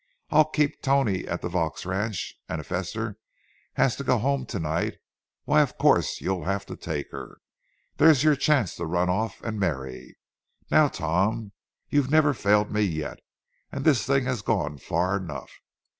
I'll keep Tony at the Vaux ranch, and if Esther has to go home to night, why, of course, you'll have to take her. There's your chance to run off and marry. Now, Tom, you've never failed me yet; and this thing has gone far enough.